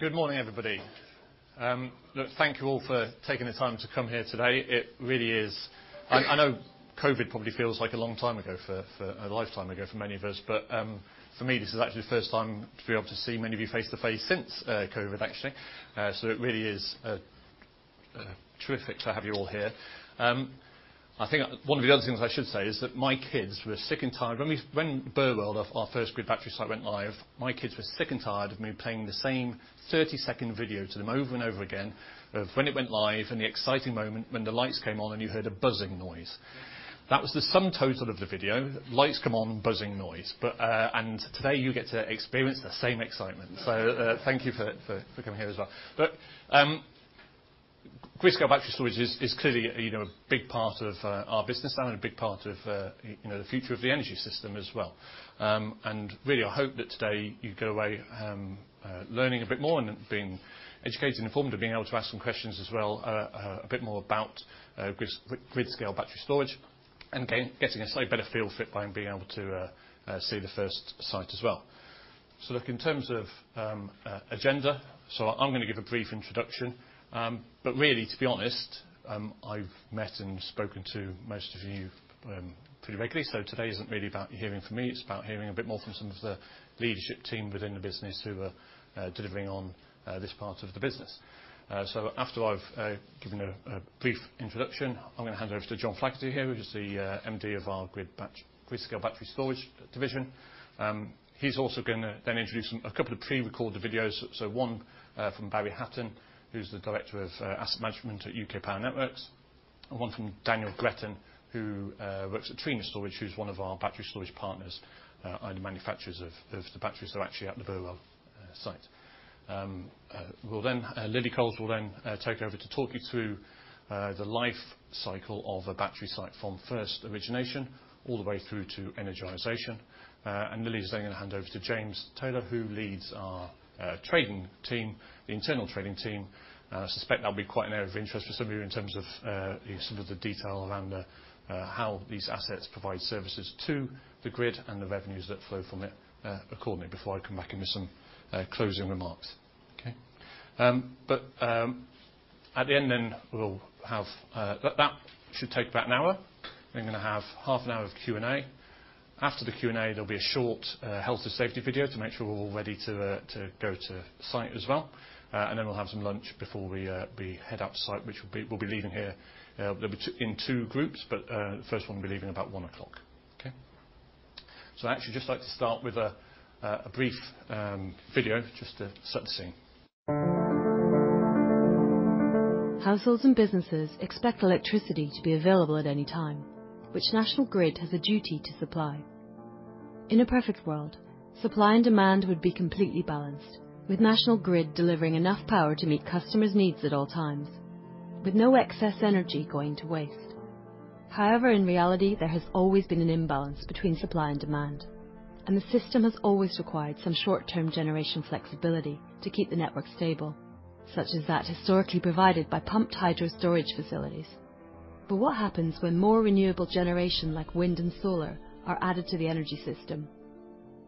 Good morning, everybody. Look, thank you all for taking the time to come here today. It really is. I know COVID probably feels like a long time ago, a lifetime ago for many of us. For me, this is actually the first time to be able to see many of you face to face since COVID, actually. It really is terrific to have you all here. I think one of the other things I should say is that my kids were sick and tired when Burwell, our first grid battery site went live, my kids were sick and tired of me playing the same 30-second video to them over and over again of when it went live and the exciting moment when the lights came on and you heard a buzzing noise. That was the sum total of the video: lights come on, buzzing noise. Today you get to experience the same excitement. Thank you for coming here as well. Grid-scale Battery Storage is clearly, you know, a big part of our business and a big part of you know, the future of the energy system as well. Really, I hope that today you go away learning a bit more and being educated and informed and being able to ask some questions as well, a bit more about Grid-scale Battery Storage and getting a slightly better feel for it by being able to see the first site as well. Look, in terms of agenda, I'm gonna give a brief introduction. Really to be honest, I've met and spoken to most of you pretty regularly. Today isn't really about hearing from me, it's about hearing a bit more from some of the leadership team within the business who are delivering on this part of the business. After I've given a brief introduction, I'm gonna hand over to John Flaherty here, who is the MD of our Grid-scale Battery Storage division. He's also gonna then introduce a couple of pre-recorded videos. One from Barry Hatton, who's the director of asset management at UK Power Networks, and one from Daniel Greten, who works at Trina Storage, who's one of our battery storage partners and manufacturers of the batteries that are actually at the Burwell site. We'll then Lily Coles will then take over to talk you through the life cycle of a battery site from first origination all the way through to energization. Lily's then gonna hand over to James Taylor, who leads our trading team, the internal trading team. Suspect that'll be quite an area of interest for some of you in terms of some of the detail around how these assets provide services to the grid and the revenues that flow from it accordingly before I come back in with some closing remarks. Okay? At the end then, we'll have. That should take about an hour. We're gonna have half an hour of Q&A. After the Q&A, there'll be a short health and safety video to make sure we're all ready to go to site as well. Then we'll have some lunch before we head up site. We'll be leaving here in two groups, but the first one will be leaving about 1:00 P.M. Okay. I'd actually just like to start with a brief video just to set the scene. Households and businesses expect electricity to be available at any time, which National Grid has a duty to supply. In a perfect world, supply and demand would be completely balanced, with National Grid delivering enough power to meet customers' needs at all times, with no excess energy going to waste. However, in reality, there has always been an imbalance between supply and demand, and the system has always required some short-term generation flexibility to keep the network stable, such as that historically provided by pumped hydro storage facilities. What happens when more renewable generation, like wind and solar, are added to the energy system?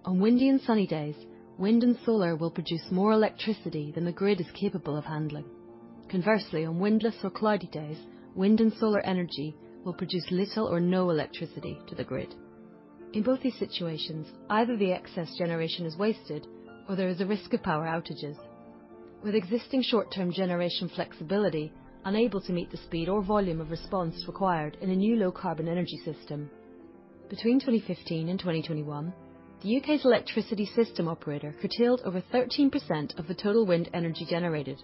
On windy and sunny days, wind and solar will produce more electricity than the grid is capable of handling. Conversely, on windless or cloudy days, wind and solar energy will produce little or no electricity to the grid. In both these situations, either the excess generation is wasted or there is a risk of power outages, with existing short-term generation flexibility unable to meet the speed or volume of response required in a new low-carbon energy system. Between 2015 and 2021, the UK's electricity system operator curtailed over 13% of the total wind energy generated,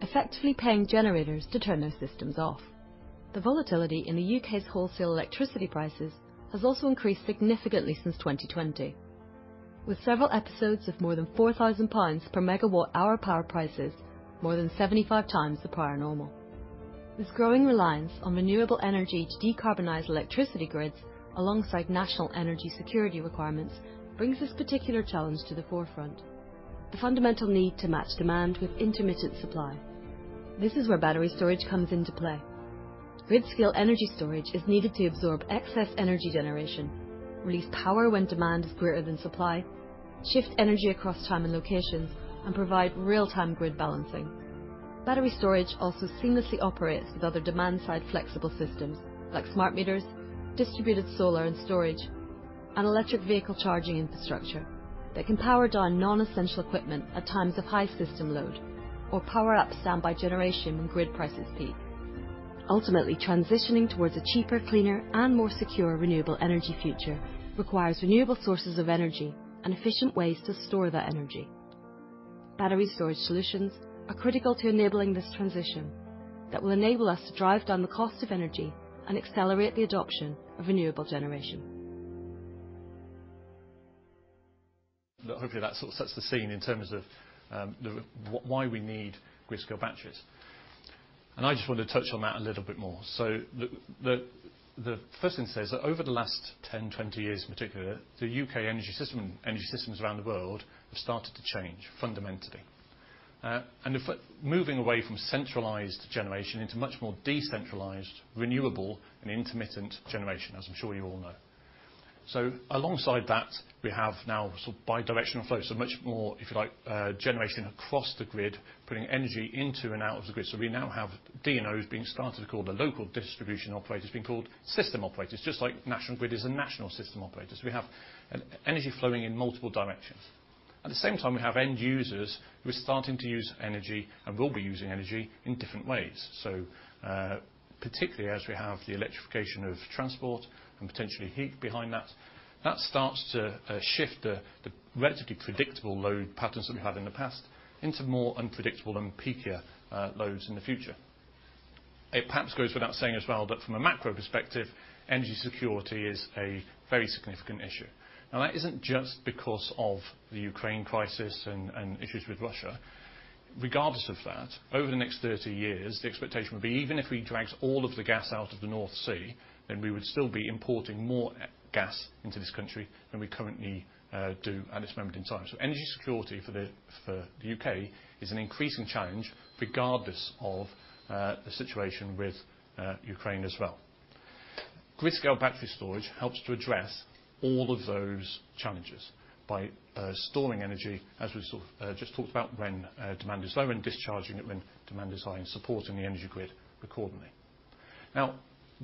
effectively paying generators to turn their systems off. The volatility in the UK's wholesale electricity prices has also increased significantly since 2020, with several episodes of more than 4000 pounds per MWh power prices more than 75 times the prior normal. This growing reliance on renewable energy to decarbonize electricity grids alongside national energy security requirements brings this particular challenge to the forefront, the fundamental need to match demand with intermittent supply. This is where battery storage comes into play. Grid-scale energy storage is needed to absorb excess energy generation, release power when demand is greater than supply, shift energy across time and locations, and provide real-time grid balancing. Battery storage also seamlessly operates with other demand-side flexible systems like smart meters, distributed solar and storage, and electric vehicle charging infrastructure that can power down non-essential equipment at times of high system load or power up standby generation when grid prices peak. Ultimately, transitioning towards a cheaper, cleaner, and more secure renewable energy future requires renewable sources of energy and efficient ways to store that energy. Battery storage solutions are critical to enabling this transition that will enable us to drive down the cost of energy and accelerate the adoption of renewable generation. Hopefully that sort of sets the scene in terms of why we need grid-scale batteries. I just want to touch on that a little bit more. The first thing to say is that over the last 10, 20 years in particular, the UK energy system, energy systems around the world have started to change fundamentally. Moving away from centralized generation into much more decentralized, renewable and intermittent generation, as I'm sure you all know. Alongside that, we have now sort of bi-directional flow. Much more, if you like, generation across the grid, putting energy into and out of the grid. We now have DNOs called the local distribution operators, being called system operators, just like National Grid is a national system operator. We have energy flowing in multiple directions. At the same time, we have end users who are starting to use energy and will be using energy in different ways. Particularly as we have the electrification of transport and potentially heat behind that starts to shift the relatively predictable load patterns that we've had in the past into more unpredictable and peakier loads in the future. It perhaps goes without saying as well that from a macro perspective, energy security is a very significant issue. Now, that isn't just because of the Ukraine crisis and issues with Russia. Regardless of that, over the next 30 years, the expectation would be even if we dragged all of the gas out of the North Sea, then we would still be importing more gas into this country than we currently do at this moment in time. Energy security for the UK is an increasing challenge regardless of the situation with Ukraine as well. Grid-scale battery storage helps to address all of those challenges by storing energy, as we sort of just talked about, when demand is low and discharging it when demand is high and supporting the energy grid accordingly. Now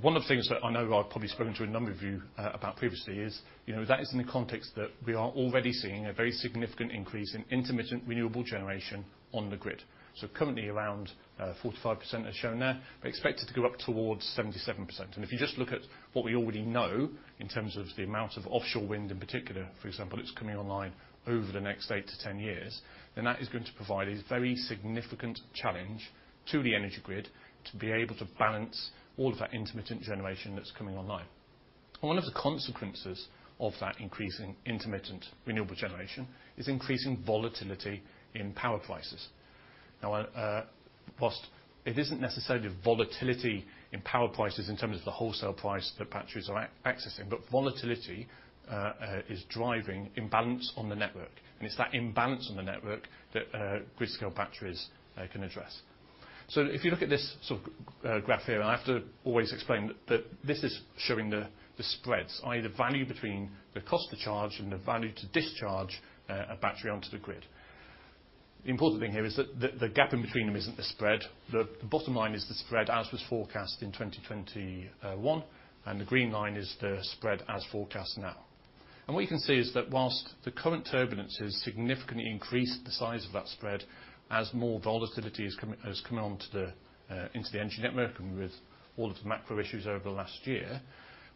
one of the things that I know I've probably spoken to a number of you about previously is, you know, that is in the context that we are already seeing a very significant increase in intermittent renewable generation on the grid. So currently around 45% as shown there, but expected to go up towards 77%. If you just look at what we already know in terms of the amount of offshore wind in particular, for example, that's coming online over the next 8-10 years, then that is going to provide a very significant challenge to the energy grid to be able to balance all of that intermittent generation that's coming online. One of the consequences of that increasing intermittent renewable generation is increasing volatility in power prices. Now, while it isn't necessarily volatility in power prices in terms of the wholesale price that batteries are accessing, but volatility is driving imbalance on the network, and it's that imbalance on the network that grid-scale batteries can address. If you look at this sort of graph here, and I have to always explain that this is showing the spreads, i.e., the value between the cost to charge and the value to discharge a battery onto the grid. The important thing here is that the gap in between them isn't the spread. The bottom line is the spread as was forecast in 2021, and the green line is the spread as forecast now. What you can see is that while the current turbulence has significantly increased the size of that spread as more volatility is coming, has come into the energy network and with all of the macro issues over the last year,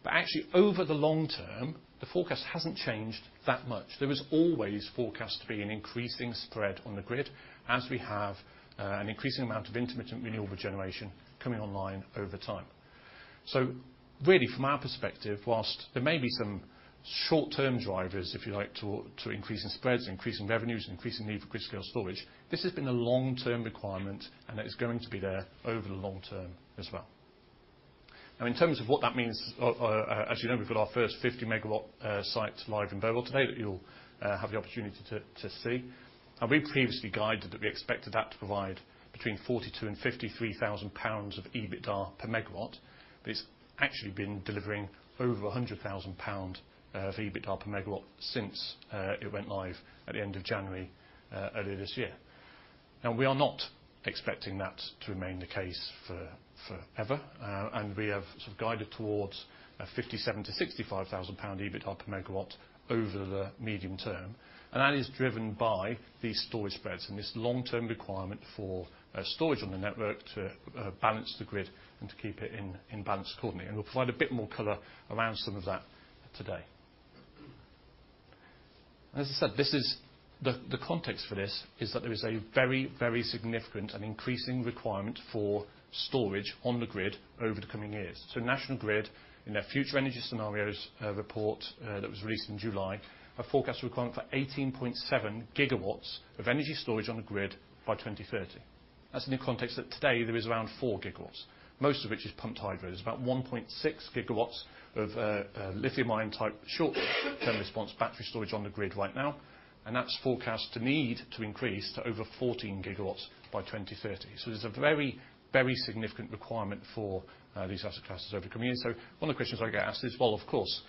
but actually over the long term, the forecast hasn't changed that much. There was always forecast to be an increasing spread on the grid as we have an increasing amount of intermittent renewable generation coming online over time. Really, from our perspective, while there may be some short-term drivers, if you like, to increasing spreads, increasing revenues, increasing need for grid-scale storage, this has been a long-term requirement, and that is going to be there over the long term as well. Now in terms of what that means, as you know, we've got our first 50-megawatt site live in Burwell today that you'll have the opportunity to see. We previously guided that we expected that to provide between 42,000 and 53,000 pounds of EBITDA per megawatt. It's actually been delivering over 100,000 pounds of EBITDA per megawatt since it went live at the end of January earlier this year. Now, we are not expecting that to remain the case for forever, and we have sort of guided towards a 57,000-65,000 pound EBITDA per megawatt over the medium term. That is driven by these storage spreads and this long-term requirement for storage on the network to balance the grid and to keep it in balance accordingly. We'll provide a bit more color around some of that today. As I said, this is the context for this is that there is a very, very significant and increasing requirement for storage on the grid over the coming years. National Grid, in their Future Energy Scenarios report that was released in July, have forecast a requirement for 18.7 gigawatts of energy storage on the grid by 2030. That's in the context that today there is around 4 gigawatts, most of which is pumped hydro. There's about 1.6 gigawatts of lithium-ion type short-term response battery storage on the grid right now, and that's forecast to need to increase to over 14 gigawatts by 2030. There's a very, very significant requirement for these asset classes over the coming years. One of the questions I get asked is, "Well, of course,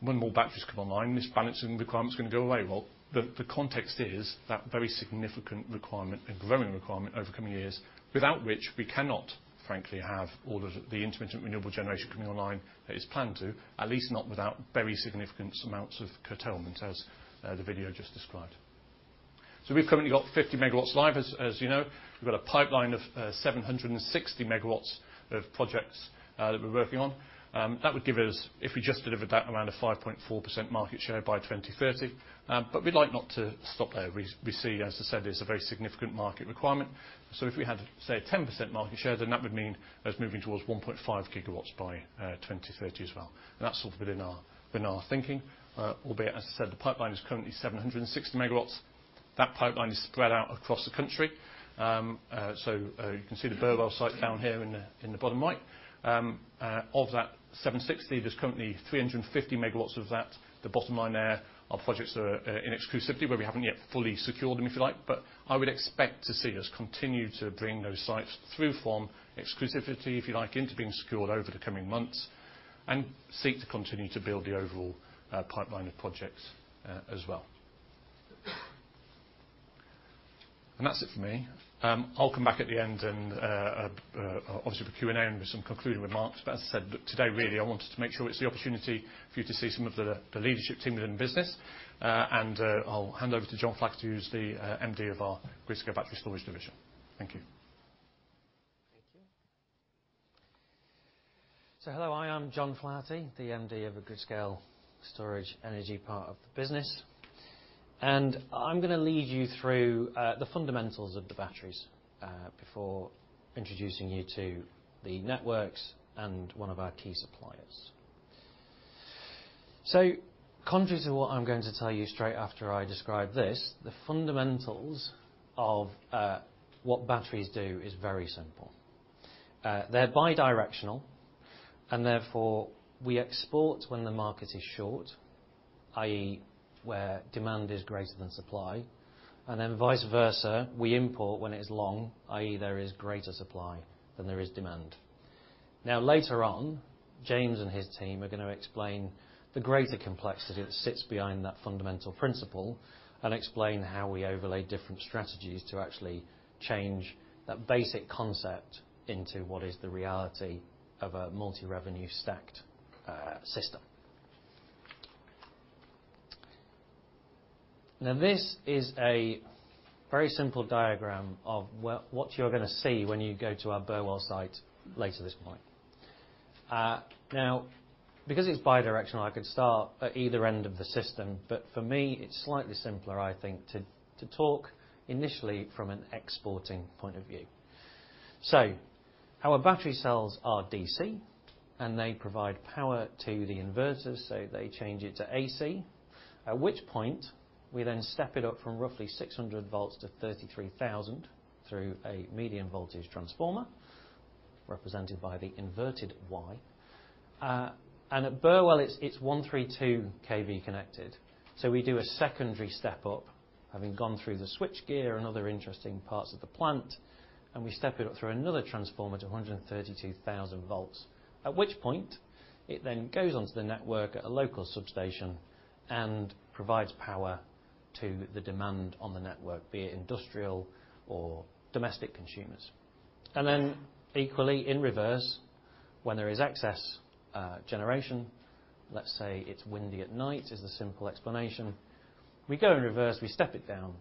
when more batteries come online, this balancing requirement is going to go away." Well, the context is that very significant requirement, a growing requirement over the coming years, without which we cannot, frankly, have all of the intermittent renewable generation coming online that is planned to at least not without very significant amounts of curtailment, as the video just described. We've currently got 50 megawatts live, as you know. We've got a pipeline of 760 megawatts of projects that we're working on. That would give us, if we just delivered that, around 0.4% market share by 2030. We'd like not to stop there. We see, as I said, it's a very significant market requirement. If we had, say, a 10% market share, then that would mean us moving towards 1.5 GW by 2030 as well. That's sort of within our thinking. Albeit, as I said, the pipeline is currently 760 MW. That pipeline is spread out across the country. You can see the Burwell site down here in the bottom right. Of that 760, there's currently 350 MW of that, the bottom line there, are projects that are in exclusivity, where we haven't yet fully secured them, if you like. I would expect to see us continue to bring those sites through from exclusivity, if you like, into being secured over the coming months and seek to continue to build the overall pipeline of projects, as well. That's it for me. I'll come back at the end and obviously for Q&A and with some concluding remarks. As I said, look, today, really, I wanted to make sure it's the opportunity for you to see some of the leadership team within the business. I'll hand over to John Flaherty, who's the MD of our Grid-scale Energy Storage division. Thank you. Thank you. Hello, I am John Flaherty, the MD of the Grid-scale Battery Storage part of the business. I'm gonna lead you through the fundamentals of the batteries before introducing you to the networks and one of our key suppliers. Contrary to what I'm going to tell you straight after I describe this, the fundamentals of what batteries do is very simple. They're bi-directional, and therefore we export when the market is short, i.e., where demand is greater than supply, and then vice versa, we import when it's long, i.e., there is greater supply than there is demand. Now, later on, James and his team are gonna explain the greater complexity that sits behind that fundamental principle and explain how we overlay different strategies to actually change that basic concept into what is the reality of a multi-revenue stacked system. Now, this is a very simple diagram of what you're gonna see when you go to our Burwell site later this morning. Now because it's bi-directional, I could start at either end of the system, but for me it's slightly simpler, I think, to talk initially from an exporting point of view. Our battery cells are DC, and they provide power to the inverters, so they change it to AC, at which point we then step it up from roughly 600 volts to 33,000 through a medium voltage transformer, represented by the inverted Y. And at Burwell it's 132 KV connected, so we do a secondary step up, having gone through the switchgear and other interesting parts of the plant, and we step it up through another transformer to 132,000 volts. At which point it then goes onto the network at a local substation and provides power to the demand on the network, be it industrial or domestic consumers. Equally in reverse, when there is excess generation, let's say it's windy at night, is the simple explanation, we go in reverse, we step it down,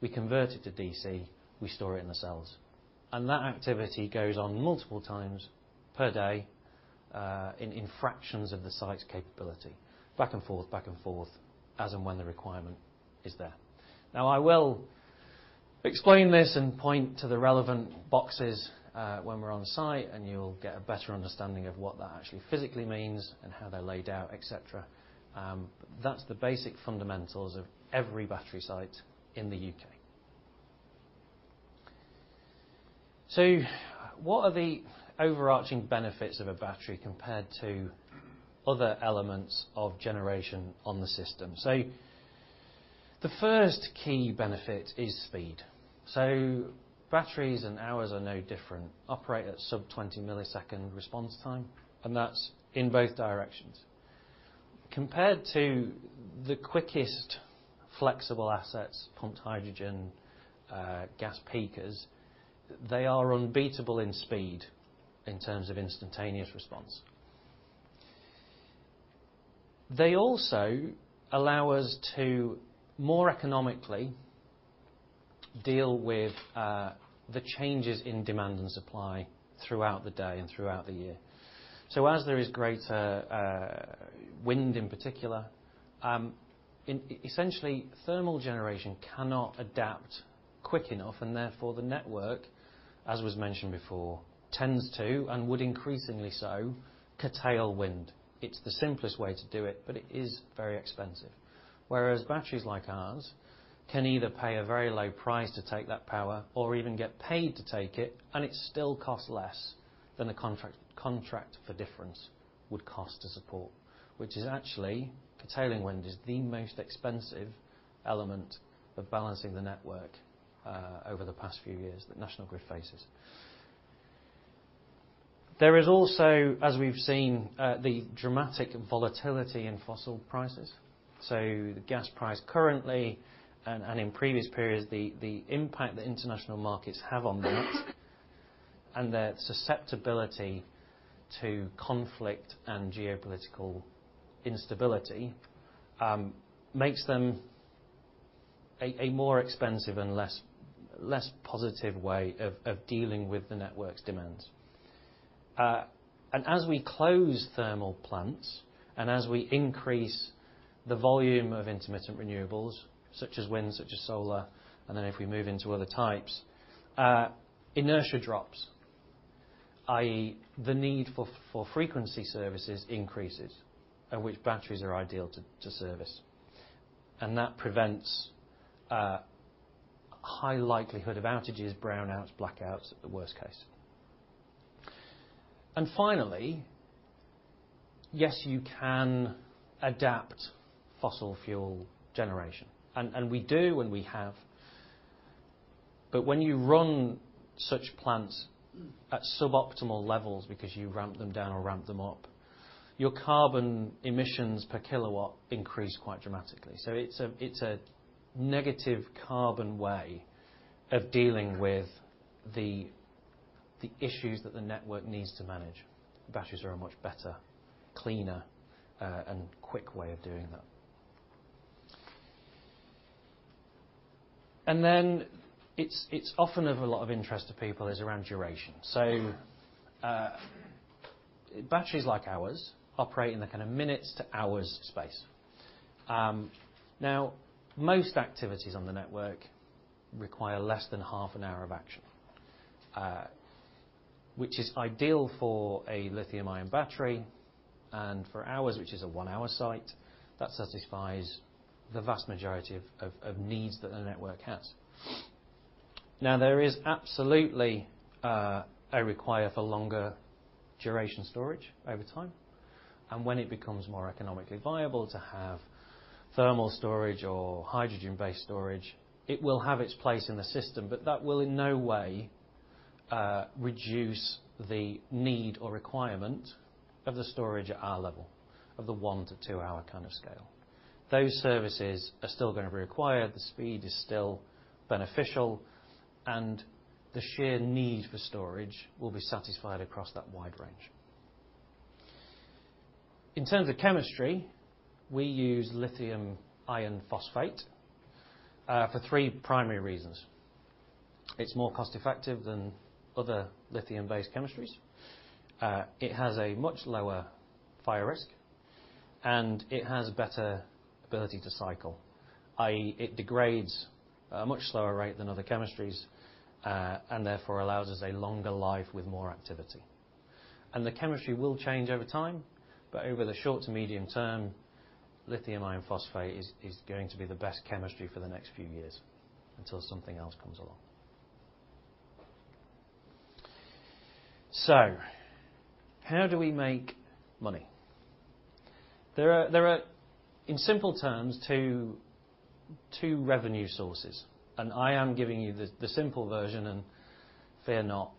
we convert it to DC, we store it in the cells. That activity goes on multiple times per day, in fractions of the site's capability. Back and forth, as and when the requirement is there. Now, I will explain this and point to the relevant boxes, when we're on site, and you'll get a better understanding of what that actually physically means and how they're laid out, et cetera. That's the basic fundamentals of every battery site in the UK. What are the overarching benefits of a battery compared to other elements of generation on the system? The first key benefit is speed. Batteries and ours are no different, operate at sub-20 millisecond response time, and that's in both directions. Compared to the quickest flexible assets, pumped hydro, gas peakers, they are unbeatable in speed in terms of instantaneous response. They also allow us to more economically deal with the changes in demand and supply throughout the day and throughout the year. As there is greater wind in particular, essentially thermal generation cannot adapt quick enough, and therefore the network, as was mentioned before, tends to and would increasingly so curtail wind. It's the simplest way to do it, but it is very expensive. Whereas batteries like ours can either pay a very low price to take that power or even get paid to take it, and it still costs less than a Contract for Difference would cost to support, which is actually curtailing wind is the most expensive element of balancing the network over the past few years that National Grid faces. There is also, as we've seen, the dramatic volatility in fuel prices. The gas price currently and in previous periods, the impact that international markets have on that and their susceptibility to conflict and geopolitical instability makes them a more expensive and less positive way of dealing with the network's demands. As we close thermal plants and as we increase the volume of intermittent renewables such as wind, such as solar, and then if we move into other types, inertia drops, i.e., the need for frequency services increases, at which batteries are ideal to service. That prevents a high likelihood of outages, brownouts, blackouts at the worst case. Finally, yes, you can adapt fossil fuel generation, and we do when we have to. But when you run such plants at suboptimal levels because you ramp them down or ramp them up, your carbon emissions per kilowatt increase quite dramatically. It's a negative carbon way of dealing with the issues that the network needs to manage. Batteries are a much better, cleaner, and quick way of doing that. It's often of a lot of interest to people is around duration. Batteries like ours operate in the kinda minutes to hours space. Now, most activities on the network require less than half an hour of action, which is ideal for a lithium-ion battery and for ours, which is a 1-hour site, that satisfies the vast majority of needs that the network has. Now, there is absolutely a requirement for longer duration storage over time, and when it becomes more economically viable to have thermal storage or hydrogen-based storage, it will have its place in the system, but that will in no way reduce the need or requirement of the storage at our level, of the 1 to 2-hour kind of scale. Those services are still gonna be required. The speed is still beneficial, and the sheer need for storage will be satisfied across that wide range. In terms of chemistry, we use lithium iron phosphate for three primary reasons. It's more cost effective than other lithium-based chemistries, it has a much lower fire risk, and it has better ability to cycle, i.e., it degrades at a much slower rate than other chemistries, and therefore allows us a longer life with more activity. The chemistry will change over time, but over the short to medium term, lithium iron phosphate is going to be the best chemistry for the next few years until something else comes along. How do we make money? There are, in simple terms, two revenue sources, and I am giving you the simple version and fear not,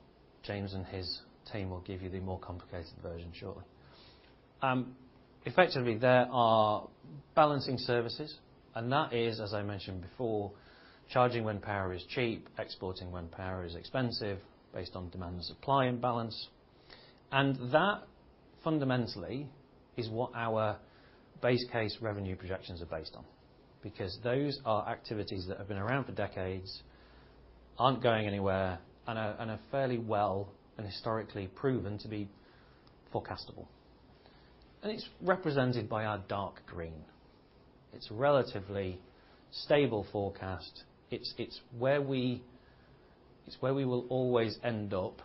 James and his team will give you the more complicated version shortly. Effectively, there are balancing services, and that is, as I mentioned before, charging when power is cheap, exporting when power is expensive based on demand and supply and balance. That fundamentally is what our base case revenue projections are based on because those are activities that have been around for decades, aren't going anywhere, and are fairly well and historically proven to be forecastable. It's represented by our dark green. It's relatively stable forecast. It's where we will always end up,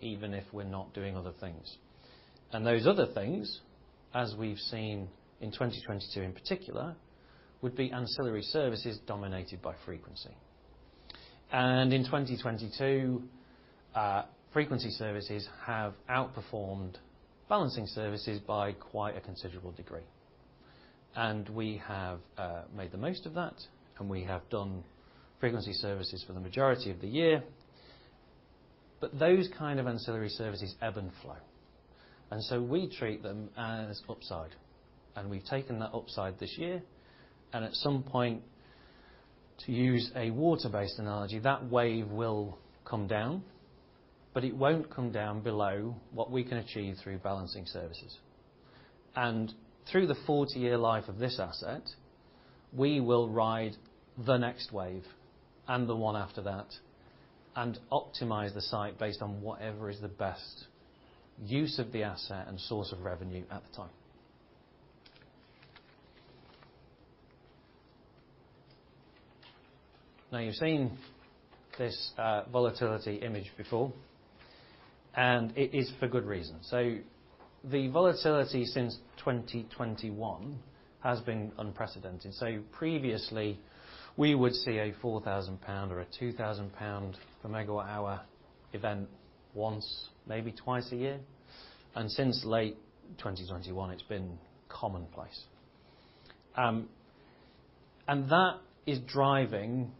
even if we're not doing other things. Those other things, as we've seen in 2022 in particular, would be ancillary services dominated by frequency. In 2022, frequency services have outperformed balancing services by quite a considerable degree. We have made the most of that, and we have done frequency services for the majority of the year. Those kind of ancillary services ebb and flow. We treat them as upside, and we've taken that upside this year and at some point, to use a water-based analogy, that wave will come down, but it won't come down below what we can achieve through balancing services. Through the 40-year life of this asset, we will ride the next wave and the one after that and optimize the site based on whatever is the best use of the asset and source of revenue at the time. Now you've seen this volatility image before, and it is for good reason. The volatility since 2021 has been unprecedented. Previously, we would see a 4,000 pound or a 2,000 pound per megawatt-hour event once, maybe twice a year. Since late 2021, it's been commonplace. That is driving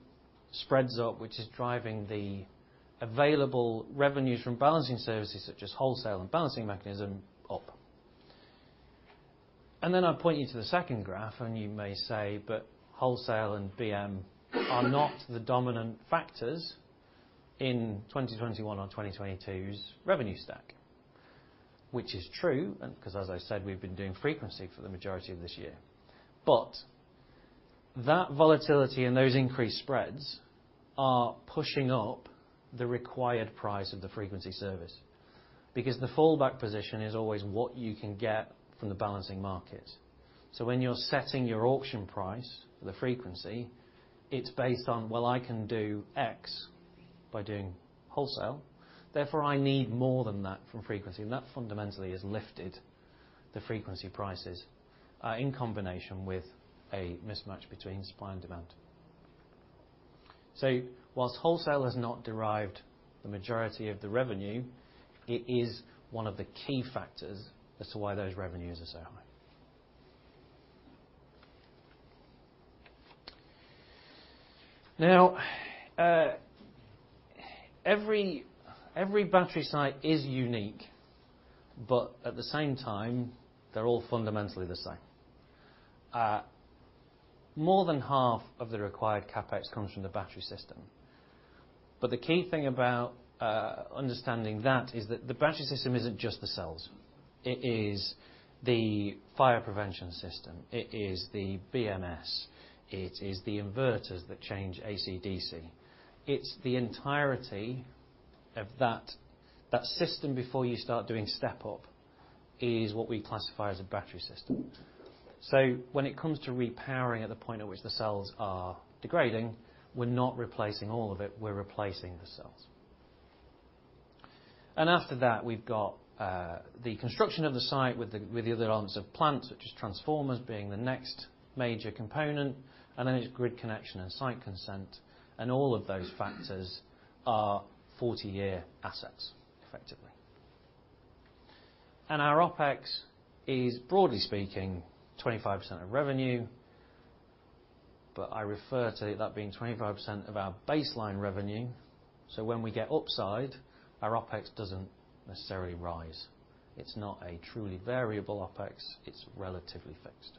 spreads up, which is driving the available revenues from balancing services such as wholesale and balancing mechanism up. Then I point you to the second graph, and you may say, "But wholesale and BM are not the dominant factors in 2021 or 2022's revenue stack," which is true, and because, as I said, we've been doing frequency for the majority of this year. That volatility and those increased spreads are pushing up the required price of the frequency service because the fallback position is always what you can get from the balancing market. When you're setting your auction price for the frequency, it's based on, well, I can do X by doing wholesale. Therefore, I need more than that for frequency. That fundamentally has lifted the frequency prices in combination with a mismatch between supply and demand. While wholesale has not derived the majority of the revenue, it is one of the key factors as to why those revenues are so high. Now, every battery site is unique, but at the same time, they're all fundamentally the same. More than half of the required CapEx comes from the battery system. The key thing about understanding that is that the battery system isn't just the cells. It is the fire prevention system. It is the BMS. It is the inverters that change AC/DC. It's the entirety of that system before you start doing step up, is what we classify as a battery system. When it comes to repowering at the point at which the cells are degrading, we're not replacing all of it, we're replacing the cells. After that, we've got the construction of the site with the other elements of plant, such as transformers being the next major component, and then it's grid connection and site consent, and all of those factors are 40-year assets, effectively. Our OpEx is, broadly speaking, 25% of revenue, but I refer to that being 25% of our baseline revenue, so when we get upside, our OpEx doesn't necessarily rise. It's not a truly variable OpEx, it's relatively fixed.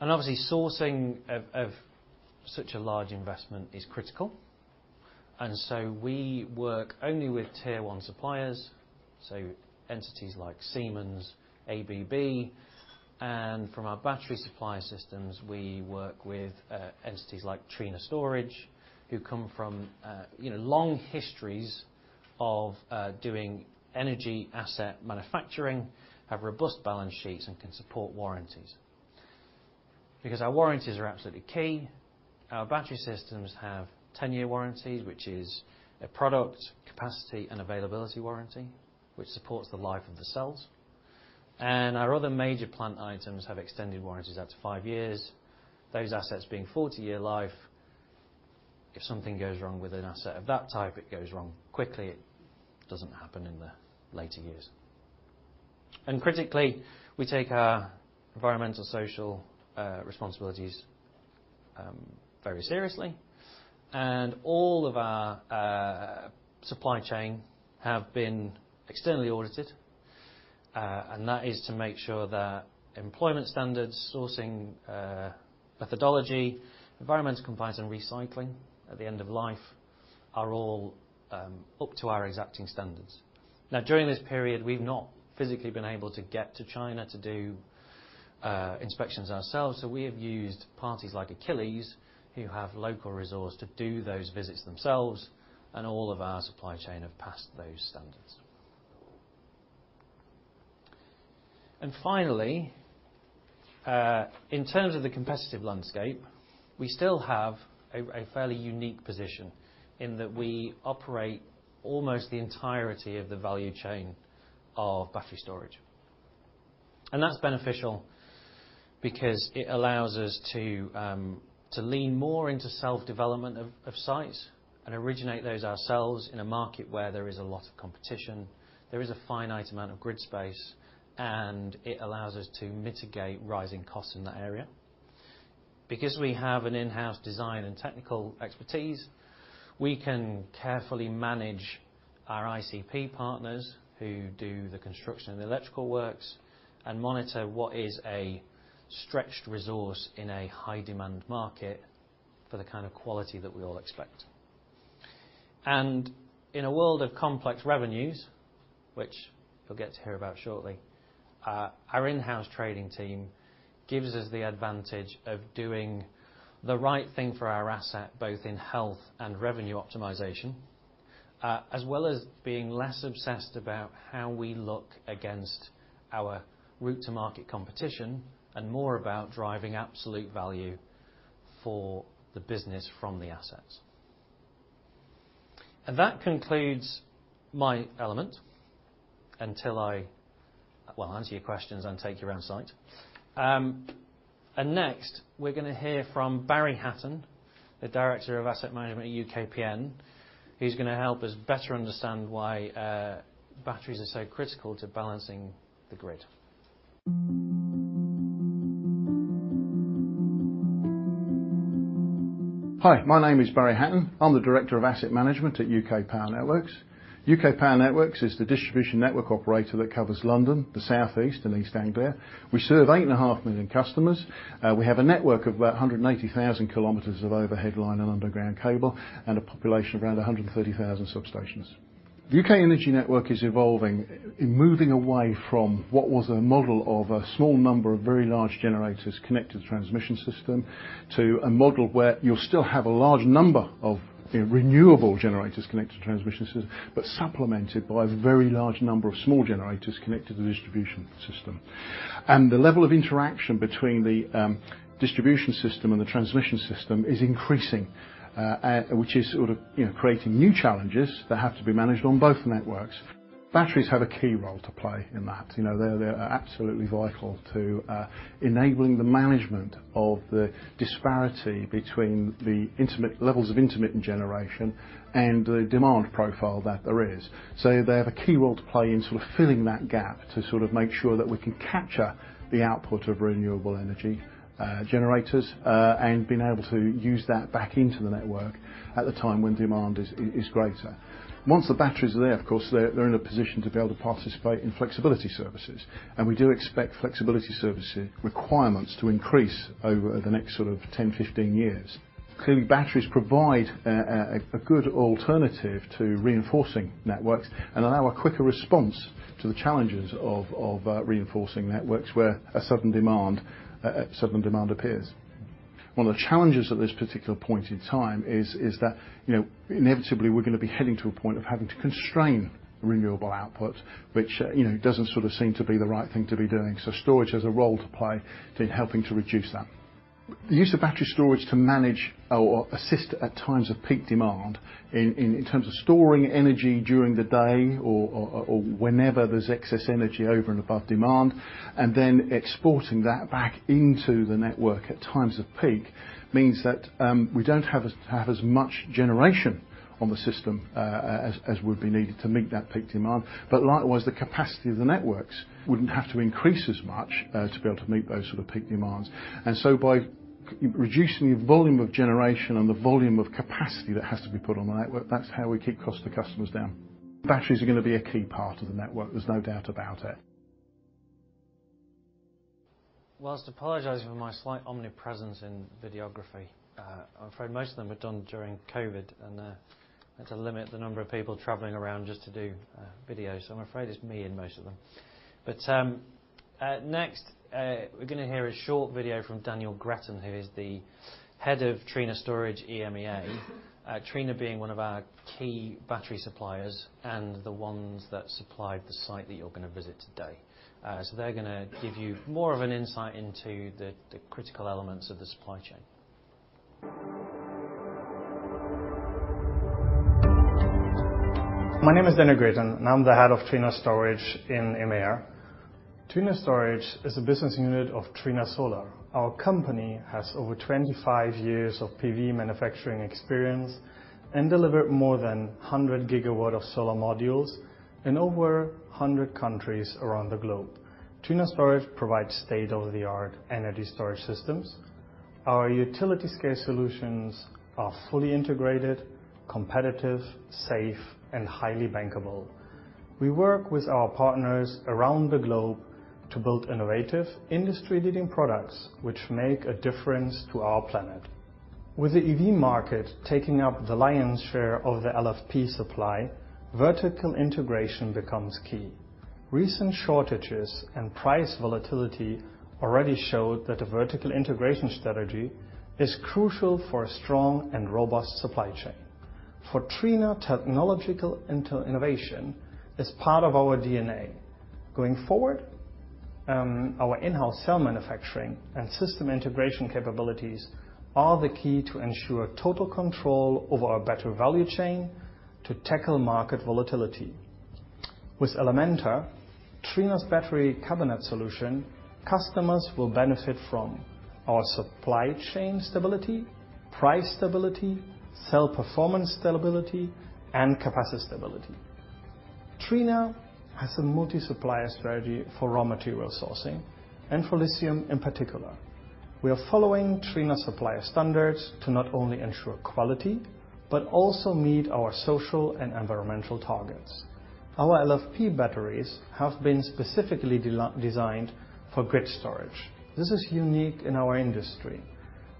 Obviously, sourcing of such a large investment is critical, and so we work only with tier one suppliers, so entities like Siemens, ABB, and from our battery supply systems, we work with entities like Trina Storage, who come from long histories of doing energy asset manufacturing, have robust balance sheets, and can support warranties. Because our warranties are absolutely key. Our battery systems have 10-year warranties, which is a product capacity and availability warranty, which supports the life of the cells. Our other major plant items have extended warranties out to 5 years. Those assets being 40-year life, if something goes wrong with an asset of that type, it goes wrong quickly. It doesn't happen in the later years. Critically, we take our environmental, social, responsibilities very seriously. All of our supply chain have been externally audited, and that is to make sure that employment standards, sourcing, methodology, environmental compliance and recycling at the end of life are all up to our exacting standards. Now, during this period, we've not physically been able to get to China to do inspections ourselves, so we have used parties like Achilles who have local resource to do those visits themselves, and all of our supply chain have passed those standards. Finally, in terms of the competitive landscape, we still have a fairly unique position in that we operate almost the entirety of the value chain of battery storage. That's beneficial because it allows us to lean more into self-development of sites and originate those ourselves in a market where there is a lot of competition, there is a finite amount of grid space, and it allows us to mitigate rising costs in that area. Because we have an in-house design and technical expertise, we can carefully manage our ICP partners who do the construction and the electrical works, and monitor what is a stretched resource in a high-demand market for the kind of quality that we all expect. In a world of complex revenues, which you'll get to hear about shortly, our in-house trading team gives us the advantage of doing the right thing for our asset, both in health and revenue optimization, as well as being less obsessed about how we look against our route to market competition and more about driving absolute value for the business from the assets. That concludes my element until I answer your questions and take you around site. Next, we're gonna hear from Barry Hatton, the Director of Asset Management at UKPN, who's gonna help us better understand why batteries are so critical to balancing the grid. Hi, my name is Barry Hatton. I'm the Director of Asset Management at UK Power Networks. UK Power Networks is the distribution network operator that covers London, the South East and East Anglia. We serve 8.5 million customers. We have a network of about 180,000 km of overhead line and underground cable, and a population of around 130,000 substations. The UK energy network is evolving in moving away from what was a model of a small number of very large generators connected to the transmission system, to a model where you'll still have a large number of, you know, renewable generators connected to transmission systems, but supplemented by a very large number of small generators connected to the distribution system. The level of interaction between the distribution system and the transmission system is increasing, which is sort of, you know, creating new challenges that have to be managed on both networks. Batteries have a key role to play in that. You know, they're absolutely vital to enabling the management of the disparity between the levels of intermittent generation and the demand profile that there is. They have a key role to play in sort of filling that gap to sort of make sure that we can capture the output of renewable energy generators and being able to use that back into the network at the time when demand is greater. Once the batteries are there, of course they're in a position to be able to participate in flexibility services, and we do expect flexibility service requirements to increase over the next sort of 10, 15 years. Clearly, batteries provide a good alternative to reinforcing networks and allow a quicker response to the challenges of reinforcing networks where a sudden demand appears. One of the challenges at this particular point in time is that, you know, inevitably we're gonna be heading to a point of having to constrain renewable output, which, you know, doesn't sort of seem to be the right thing to be doing. Storage has a role to play in helping to reduce that. The use of battery storage to manage or assist at times of peak demand in terms of storing energy during the day or whenever there's excess energy over and above demand, and then exporting that back into the network at times of peak means that we don't have as much generation on the system as would be needed to meet that peak demand. But likewise, the capacity of the networks wouldn't have to increase as much to be able to meet those sort of peak demands. By reducing the volume of generation and the volume of capacity that has to be put on the network, that's how we keep costs to customers down. Batteries are gonna be a key part of the network. There's no doubt about it. While apologizing for my slight omnipresence in videography, I'm afraid most of them were done during COVID, and had to limit the number of people traveling around just to do videos, so I'm afraid it's me in most of them. Next, we're gonna hear a short video from Daniel Greten, who is the Head of Trina Storage EMEA. Trina being one of our key battery suppliers and the ones that supplied the site that you're gonna visit today. They're gonna give you more of an insight into the critical elements of the supply chain. My name is Daniel Greten, and I'm the head of Trina Storage in EMEA. Trina Storage is a business unit of Trina Solar. Our company has over 25 years of PV manufacturing experience and delivered more than 100 gigawatts of solar modules in over 100 countries around the globe. Trina Storage provides state-of-the-art energy storage systems. Our utility scale solutions are fully integrated, competitive, safe and highly bankable. We work with our partners around the globe to build innovative industry-leading products which make a difference to our planet. With the EV market taking up the lion's share of the LFP supply, vertical integration becomes key. Recent shortages and price volatility already showed that a vertical integration strategy is crucial for a strong and robust supply chain. For Trina, technological innovation is part of our DNA. Going forward, our in-house cell manufacturing and system integration capabilities are the key to ensure total control over our better value chain to tackle market volatility. With Elementa, Trina's battery cabinet solution, customers will benefit from our supply chain stability, price stability, cell performance stability, and capacity stability. Trina has a multi-supplier strategy for raw material sourcing and for lithium in particular. We are following Trina supplier standards to not only ensure quality, but also meet our social and environmental targets. Our LFP batteries have been specifically designed for grid storage. This is unique in our industry,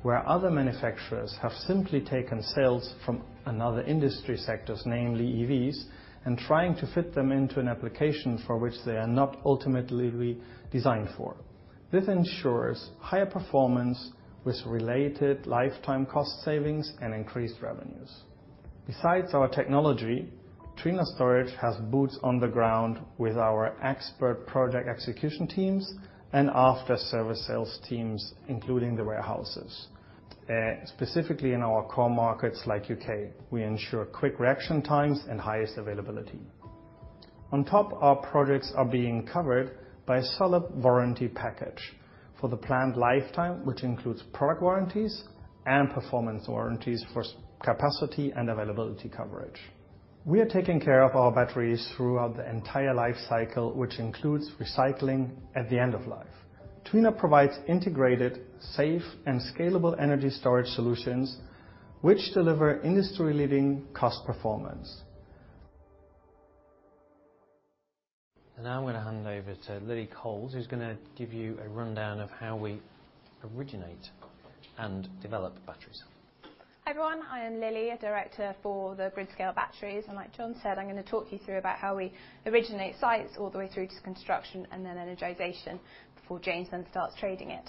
where other manufacturers have simply taken cells from another industry sectors, namely EVs, and trying to fit them into an application for which they are not ultimately designed for. This ensures higher performance with related lifetime cost savings and increased revenues. Besides our technology, Trina Storage has boots on the ground with our expert project execution teams and after-sales service teams, including the warehouses. Specifically in our core markets like U.K., we ensure quick reaction times and highest availability. On top, our projects are being covered by a solid warranty package for the planned lifetime, which includes product warranties and performance warranties for capacity and availability coverage. We are taking care of our batteries throughout the entire life cycle, which includes recycling at the end of life. Trina provides integrated, safe and scalable energy storage solutions which deliver industry-leading cost performance. Now I'm gonna hand over to Lily Coles, who's gonna give you a rundown of how we originate and develop batteries. Hi, everyone. Hi, I'm Lily, a director for the grid-scale batteries, and like John said, I'm gonna talk you through about how we originate sites all the way through to construction and then energization before James then starts trading it.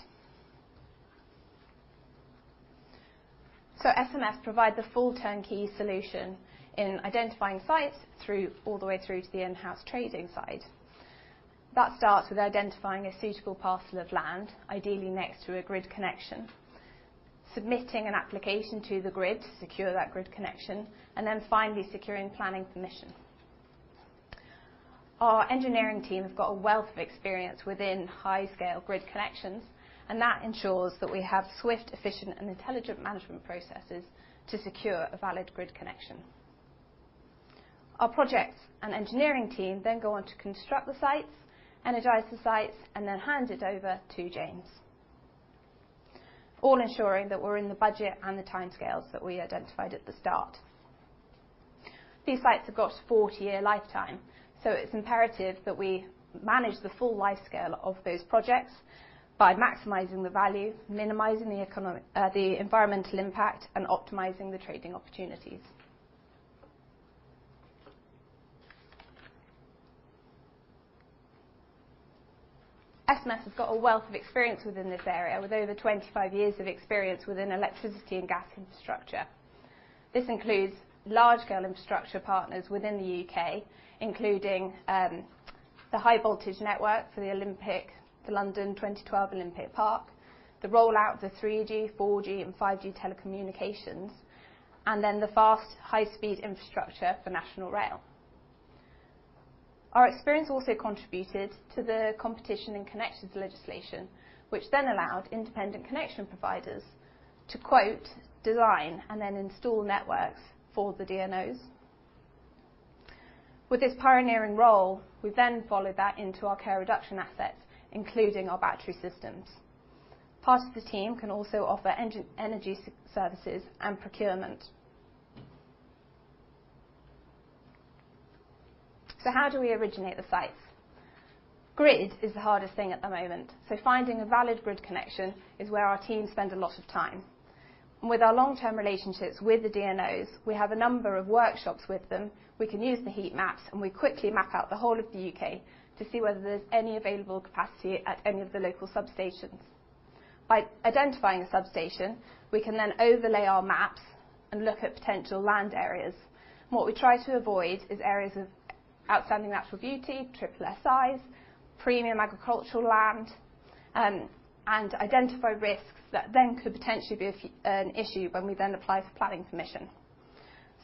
SMS provide the full turnkey solution in identifying sites through all the way through to the in-house trading side. That starts with identifying a suitable parcel of land, ideally next to a grid connection, submitting an application to the grid to secure that grid connection, and then finally securing planning permission. Our engineering team have got a wealth of experience within high-scale grid connections, and that ensures that we have swift, efficient and intelligent management processes to secure a valid grid connection. Our projects and engineering team then go on to construct the sites, energize the sites, and then hand it over to James, all ensuring that we're in the budget and the timescales that we identified at the start. These sites have got a 40-year lifetime, so it's imperative that we manage the full life scale of those projects by maximizing the value, minimizing the economic, the environmental impact, and optimizing the trading opportunities. SMS has got a wealth of experience within this area, with over 25 years of experience within electricity and gas infrastructure. This includes large-scale infrastructure partners within the UK, including the high voltage network for the London 2012 Olympic Park, the rollout of the 3G, 4G and 5G telecommunications, and then the fast high-speed infrastructure for National Rail. Our experience also contributed to the Competition in Connections legislation, which then allowed independent connection providers to quote, "Design and then install networks for the DNOs". With this pioneering role, we then followed that into our carbon reduction assets, including our battery systems. Part of the team can also offer energy services and procurement. How do we originate the sites? Grid is the hardest thing at the moment, so finding a valid grid connection is where our team spend a lot of time. With our long-term relationships with the DNOs, we have a number of workshops with them. We can use the heat maps, and we quickly map out the whole of the UK to see whether there's any available capacity at any of the local substations. By identifying a substation, we can then overlay our maps and look at potential land areas. What we try to avoid is areas of outstanding natural beauty, SSSI, premium agricultural land, and identify risks that then could potentially be an issue when we then apply for planning permission.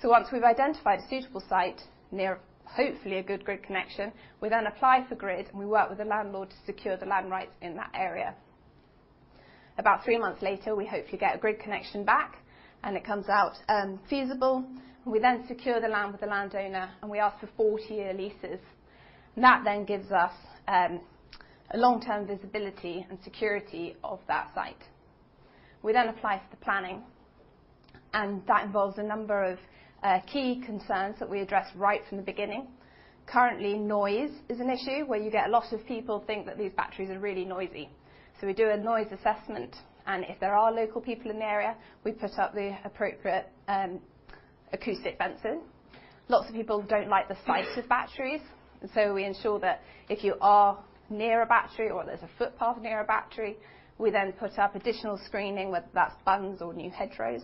Once we've identified a suitable site near hopefully a good grid connection, we then apply for grid, and we work with the landlord to secure the land rights in that area. About 3 months later, we hopefully get a grid connection back and it comes out, feasible, and we then secure the land with the landowner and we ask for 40-year leases, and that then gives us, a long-term visibility and security of that site. We then apply for the planning and that involves a number of, key concerns that we address right from the beginning. Currently, noise is an issue where you get a lot of people think that these batteries are really noisy. We do a noise assessment, and if there are local people in the area, we put up the appropriate acoustic fences. Lots of people don't like the sight of batteries, and we ensure that if you are near a battery or there's a footpath near a battery, we then put up additional screening, whether that's bunds or new hedgerows.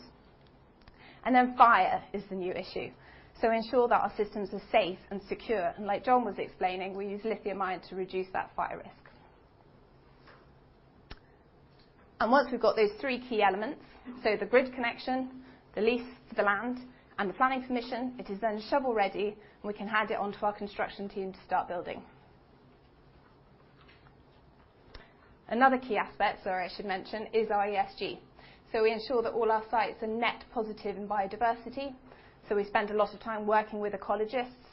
Fire is the new issue. Ensure that our systems are safe and secure. Like John was explaining, we use lithium iron to reduce that fire risk. Once we've got those three key elements, the grid connection, the lease for the land, and the planning permission, it is then shovel-ready, and we can hand it on to our construction team to start building. Another key aspect, sorry, I should mention is our ESG. We ensure that all our sites are net positive in biodiversity. We spend a lot of time working with ecologists,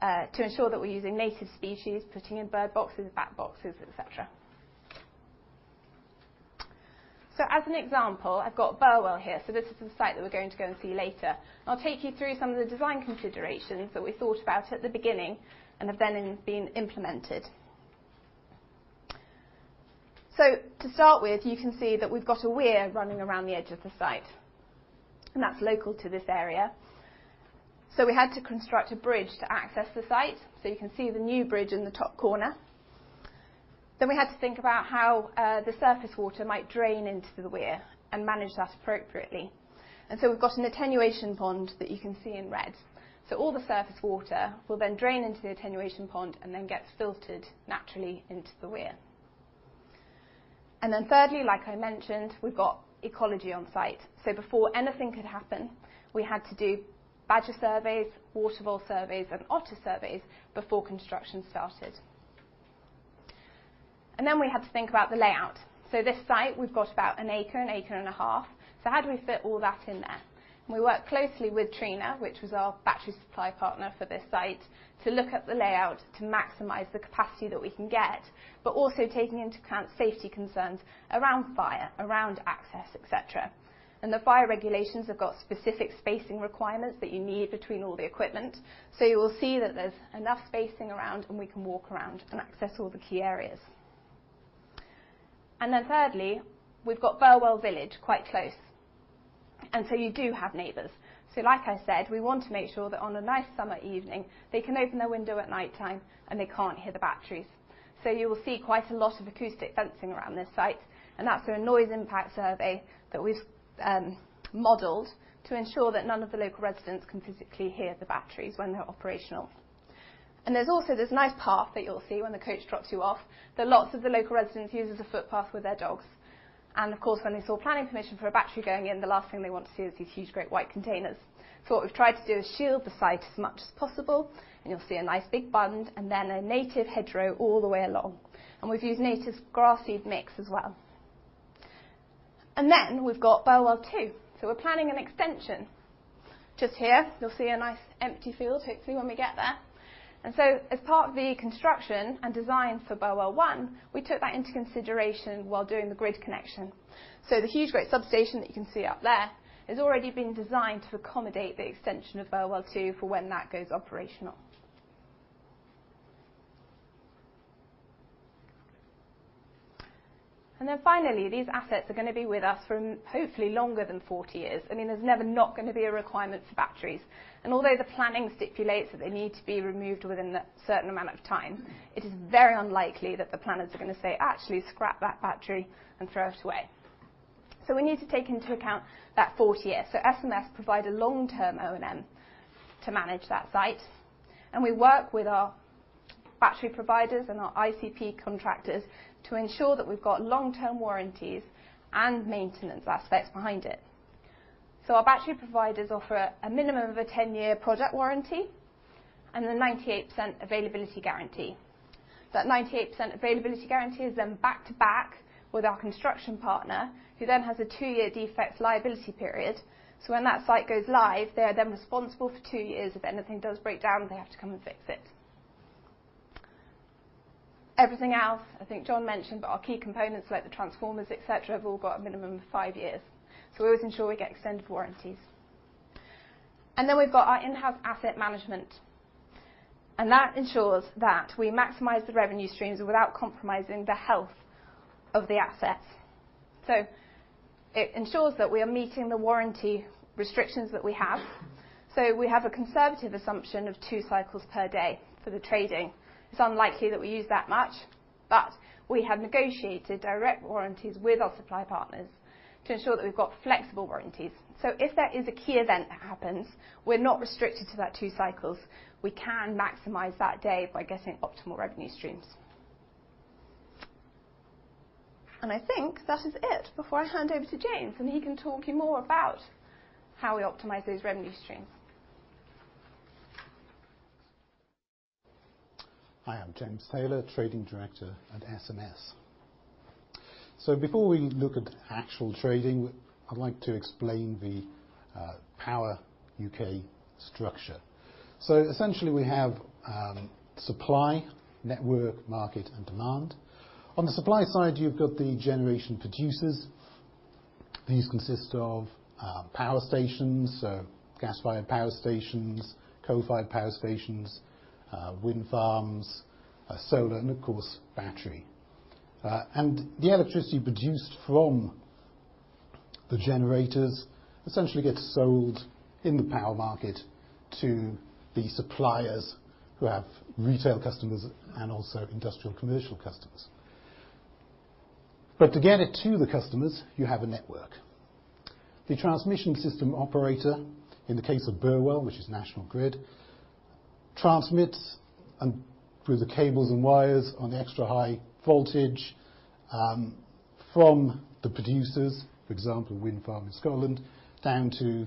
to ensure that we're using native species, putting in bird boxes, bat boxes, et cetera. As an example, I've got Burwell here. This is the site that we're going to go and see later. I'll take you through some of the design considerations that we thought about at the beginning and have then been implemented. To start with, you can see that we've got a weir running around the edge of the site, and that's local to this area. We had to construct a bridge to access the site, so you can see the new bridge in the top corner. We had to think about how the surface water might drain into the weir and manage that appropriately. We've got an attenuation pond that you can see in red. All the surface water will then drain into the attenuation pond and then gets filtered naturally into the weir. Thirdly, like I mentioned, we've got ecology on site. Before anything could happen, we had to do badger surveys, water vole surveys, and otter surveys before construction started. We had to think about the layout. This site, we've got about an acre, an acre and a half. How do we fit all that in there? We work closely with Trina, which was our battery supply partner for this site, to look at the layout to maximize the capacity that we can get, but also taking into account safety concerns around fire, around access, et cetera. The fire regulations have got specific spacing requirements that you need between all the equipment. You will see that there's enough spacing around, and we can walk around and access all the key areas. Then thirdly, we've got Burwell Village quite close, and so you do have neighbors. Like I said, we want to make sure that on a nice summer evening, they can open their window at nighttime, and they can't hear the batteries. You will see quite a lot of acoustic fencing around this site, and that's a noise impact survey that we've modeled to ensure that none of the local residents can physically hear the batteries when they're operational. There's also this nice path that you'll see when the coach drops you off, that lots of the local residents use as a footpath with their dogs. Of course, when they saw planning permission for a battery going in, the last thing they want to see is these huge, great white containers. What we've tried to do is shield the site as much as possible, and you'll see a nice big bund, and then a native hedgerow all the way along. We've used native grass seed mix as well. We've got Burwell 2. We're planning an extension. Just here, you'll see a nice empty field, hopefully, when we get there. As part of the construction and design for Burwell 1, we took that into consideration while doing the grid connection. The huge great substation that you can see up there has already been designed to accommodate the extension of Burwell 2 for when that goes operational. Finally, these assets are gonna be with us for hopefully longer than 40 years. I mean, there's never not gonna be a requirement for batteries. Although the planning stipulates that they need to be removed within a certain amount of time, it is very unlikely that the planners are gonna say, "Actually, scrap that battery and throw it away." We need to take into account that 40 years. SMS provide a long-term O&M to manage that site. We work with our battery providers and our ICP contractors to ensure that we've got long-term warranties and maintenance aspects behind it. Our battery providers offer a minimum of a 10-year product warranty and a 98% availability guarantee. That 98% availability guarantee is then back to back with our construction partner, who then has a 2-year defects liability period. When that site goes live, they are then responsible for 2 years. If anything does break down, they have to come and fix it. Everything else, I think John mentioned, but our key components like the transformers, et cetera, have all got a minimum of 5 years. We always ensure we get extended warranties. Then we've got our in-house asset management, and that ensures that we maximize the revenue streams without compromising the health of the asset. It ensures that we are meeting the warranty restrictions that we have. We have a conservative assumption of two cycles per day for the trading. It's unlikely that we use that much, but we have negotiated direct warranties with our supply partners to ensure that we've got flexible warranties. If there is a key event that happens, we're not restricted to that two cycles. We can maximize that day by getting optimal revenue streams. I think that is it before I hand over to James, and he can talk to you more about how we optimize those revenue streams. Hi, I'm James Taylor, Trading Director at SMS. Before we look at actual trading, I'd like to explain the power UK structure. Essentially, we have supply, network, market and demand. On the supply side, you've got the generation producers. These consist of power stations, so gas-fired power stations, coal-fired power stations, wind farms, solar and of course, battery. The electricity produced from the generators essentially gets sold in the power market to the suppliers who have retail customers and also industrial commercial customers. To get it to the customers, you have a network. The transmission system operator, in the case of the UK, which is National Grid, transmits through the cables and wires on the extra high voltage from the producers, for example, wind farm in Scotland, down to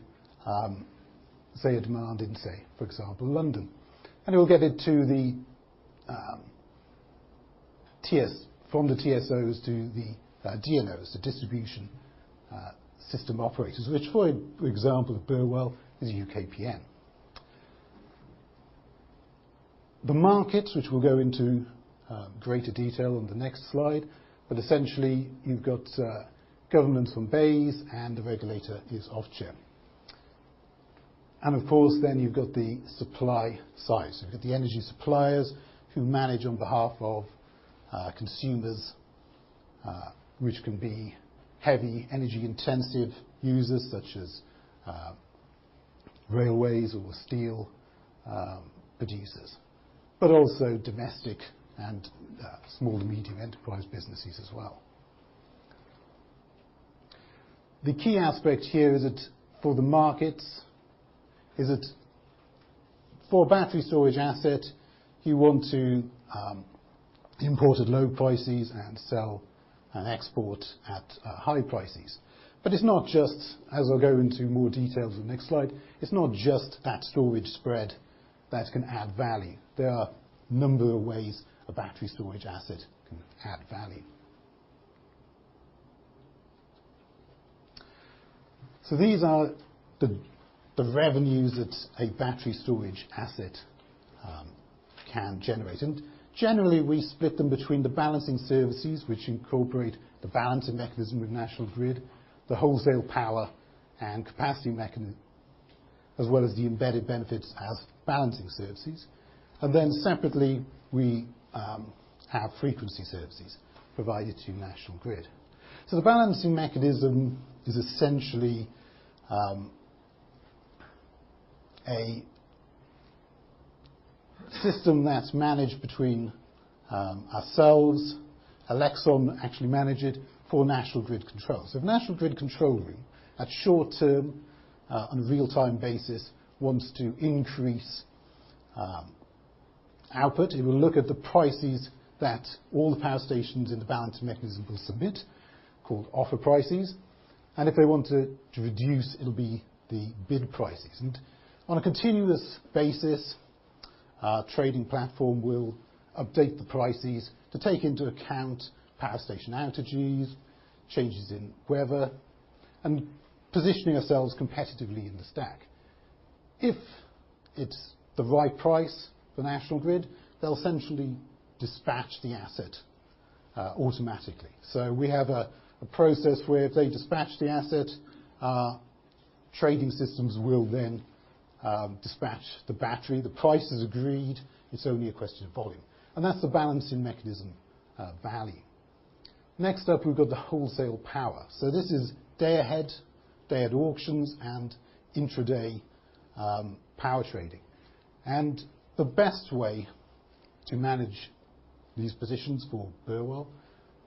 say, a demand in, say, for example, London. It will get it from the TSOs to the DNOs, the distribution network operators, which for example, Burwell is UKPN. The market, which we'll go into greater detail on the next slide, but essentially you've got government from BEIS and the regulator is Ofgem. Of course, then you've got the supply side. You've got the energy suppliers who manage on behalf of consumers, which can be heavy energy intensive users such as railways or steel producers, but also domestic and small to medium enterprise businesses as well. The key aspect here is that for the markets, is that for a battery storage asset, you want to import at low prices and sell and export at high prices. It's not just, as I'll go into more details on the next slide, it's not just that storage spread that can add value. There are a number of ways a battery storage asset can add value. These are the revenues that a battery storage asset can generate. Generally, we split them between the balancing services, which incorporate the balancing mechanism with National Grid, the wholesale power and capacity mechanism, as well as the embedded benefits as balancing services. Then separately, we have frequency services provided to National Grid. The balancing mechanism is essentially a system that's managed. Ourselves, Elexon actually manage it for National Grid control. If National Grid control room in the short term, on a real-time basis wants to increase output, it will look at the prices that all the power stations in the balancing mechanism will submit, called offer prices. If they want to reduce, it'll be the bid prices. On a continuous basis, our trading platform will update the prices to take into account power station outages, changes in weather, and positioning ourselves competitively in the stack. If it's the right price for National Grid, they'll essentially dispatch the asset automatically. We have a process where if they dispatch the asset, our trading systems will then dispatch the battery. The price is agreed, it's only a question of volume. That's the balancing mechanism value. Next up, we've got the wholesale power. This is day ahead auctions and intra-day power trading. The best way to manage these positions for Burwell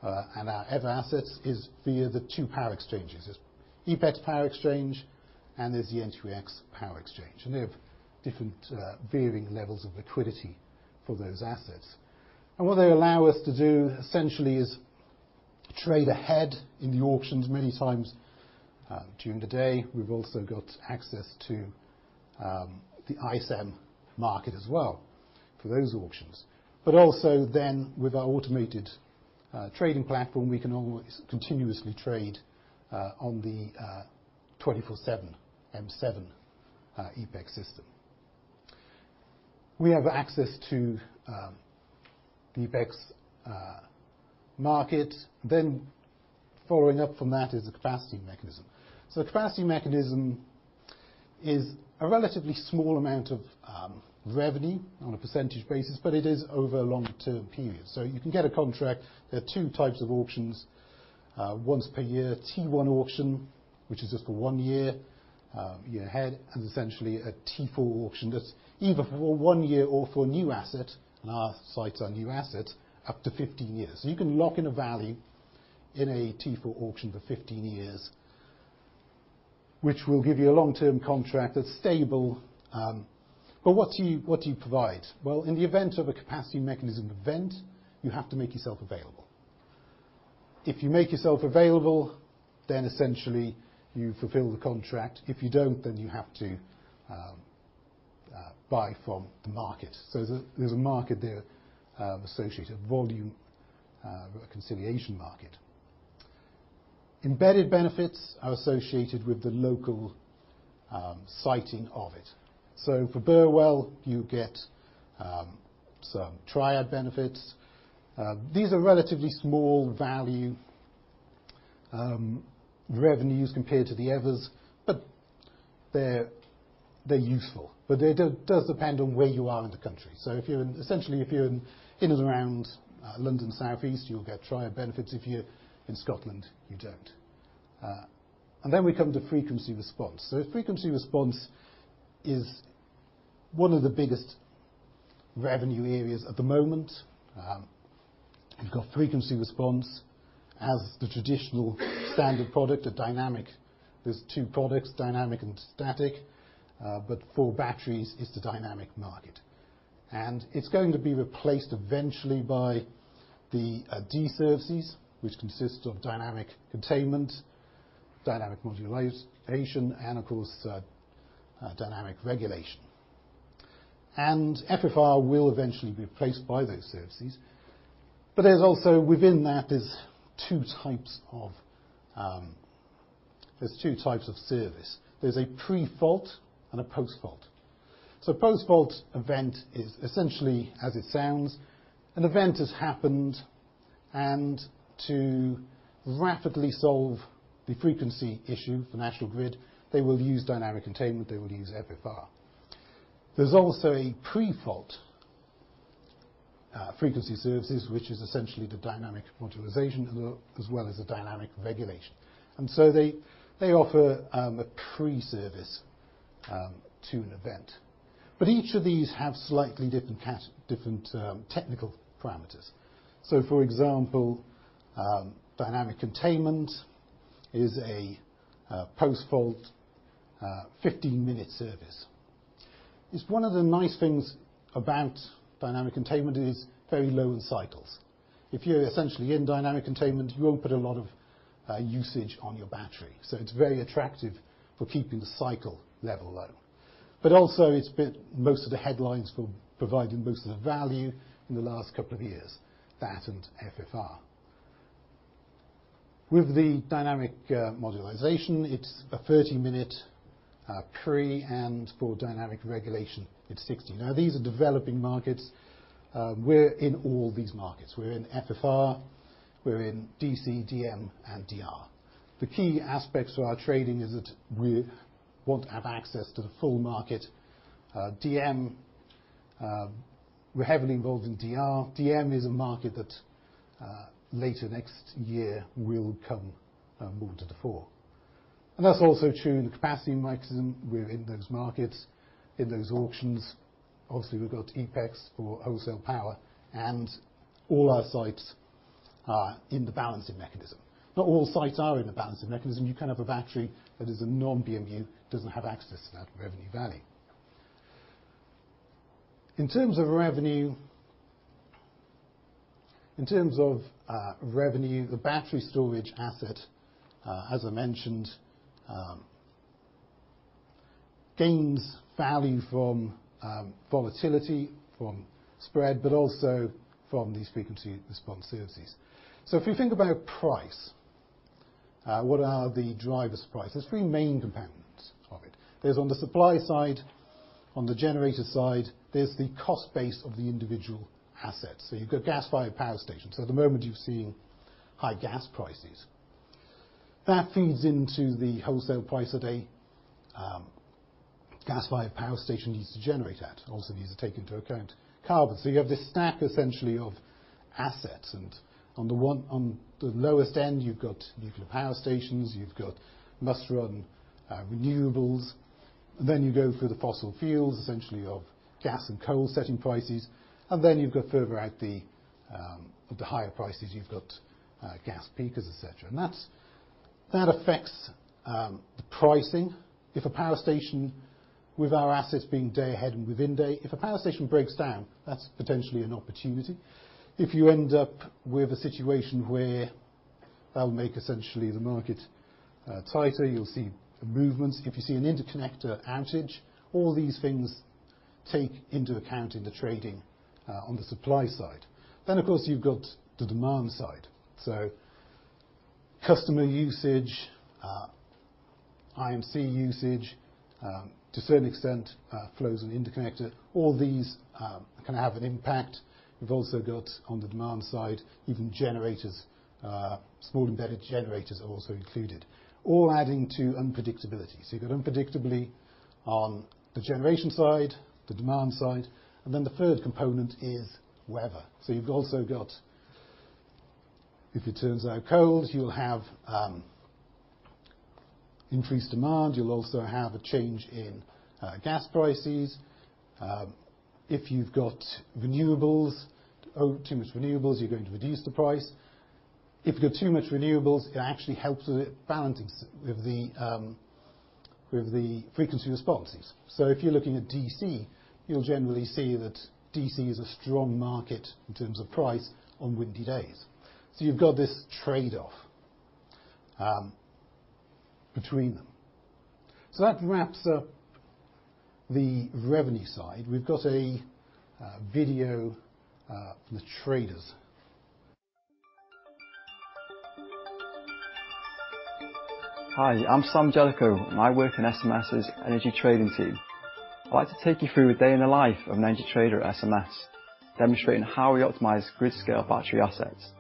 and our BESS assets is via the two power exchanges. There's EPEX power exchange, and there's the N2EX power exchange. They have different varying levels of liquidity for those assets. What they allow us to do essentially is trade ahead in the auctions many times during the day. We've also got access to the ICM market as well for those auctions. With our automated trading platform, we can always continuously trade on the 24/7 M7 EPEX system. We have access to the EPEX market. Following up from that is the capacity mechanism. The capacity mechanism is a relatively small amount of revenue on a percentage basis, but it is over a long-term period. You can get a contract. There are two types of auctions, once per year T-1 auction, which is just for one year ahead, and essentially a T-4 auction that's either for one year or for a new asset, and our sites are new assets, up to 15 years. You can lock in a value in a T-4 auction for 15 years, which will give you a long-term contract that's stable. What do you provide? Well, in the event of a capacity mechanism event, you have to make yourself available. If you make yourself available, then essentially you fulfill the contract. If you don't, then you have to buy from the market. There's a market there, associated volume reconciliation market. Embedded benefits are associated with the local siting of it. For Burwell, you get some Triad benefits. These are relatively small value revenues compared to the others, but they're useful. It does depend on where you are in the country. Essentially, if you're in and around London, South East, you'll get Triad benefits. If you're in Scotland, you don't. Then we come to frequency response. Frequency response is one of the biggest revenue areas at the moment. You've got frequency response as the traditional standard product of dynamic. There's two products, dynamic and static. But for batteries, it's the dynamic market. It's going to be replaced eventually by the dynamic services, which consists of Dynamic Containment, Dynamic Moderation, and of course, Dynamic Regulation. FFR will eventually be replaced by those services. There's also within that two types of service. There's two types of service. There's a pre-fault and a post-fault. Post-fault event is essentially as it sounds, an event has happened, and to rapidly solve the frequency issue for National Grid, they will use Dynamic Containment, they will use FFR. There's also a pre-fault frequency services, which is essentially the Dynamic Moderation as well as the Dynamic Regulation. They offer a pre-service to an event. Each of these have slightly different technical parameters. For example, Dynamic Containment is a post-fault 15-minute service. It's one of the nice things about Dynamic Containment is very low in cycles. If you're essentially in Dynamic Containment, you won't put a lot of usage on your battery. It's very attractive for keeping the cycle level low. Also, it's been most of the headlines for providing most of the value in the last couple of years, that and FFR. With the Dynamic Moderization, it's a 30-minute pre and for Dynamic Regulation, it's 60. Now, these are developing markets. We're in all these markets. We're in FFR, we're in DC, DM, and DR. The key aspects to our trading is that we want to have access to the full market. DM, we're heavily involved in DR. DM is a market that later next year will come more to the fore. That's also true in the capacity mechanism. We're in those markets, in those auctions. Obviously, we've got EPEX for wholesale power, and all our sites are in the balancing mechanism. Not all sites are in the balancing mechanism. You can have a battery that is a non-BMU, doesn't have access to that revenue value. In terms of revenue, the battery storage asset, as I mentioned, gains value from volatility, from spread, but also from these frequency response services. If you think about price, what are the drivers of price? There's three main components of it. There's on the supply side, on the generator side, there's the cost base of the individual assets. You've got gas-fired power stations. At the moment, you're seeing high gas prices. That feeds into the wholesale price that a gas-fired power station needs to generate at. It also needs to take into account carbon. You have this stack essentially of assets. On the lowest end, you've got nuclear power stations, you've got must-run renewables. You go through the fossil fuels, essentially of gas and coal setting prices. You've got further out the higher prices, you've got gas peakers, et cetera. That affects the pricing. If a power station with our assets being day-ahead and within day, if a power station breaks down, that's potentially an opportunity. If you end up with a situation where that'll make essentially the market tighter, you'll see the movements. If you see an interconnector outage, all these things take into account in the trading on the supply side. Of course, you've got the demand side. Customer usage, I&C usage, to a certain extent, flows on interconnector, all these can have an impact. We've also got on the demand side, even generators, small embedded generators are also included, all adding to unpredictability. You've got unpredictability on the generation side, the demand side, and then the third component is weather. You've also got, if it turns out cold, you'll have increased demand. You'll also have a change in gas prices. If you've got renewables, or too much renewables, you're going to reduce the price. If you've got too much renewables, it actually helps with the balancing with the frequency responses. If you're looking at DC, you'll generally see that DC is a strong market in terms of price on windy days. You've got this trade-off between them. That wraps up the revenue side. We've got a video from the traders. Hi, I'm Sam Jellicoe, and I work in SMS' energy trading team. I'd like to take you through a day in the life of an energy trader at SMS, demonstrating how we optimize grid-scale battery assets.